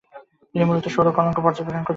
তিনি মূলত সৌর কলঙ্ক পযর্বেক্ষণ করতেন।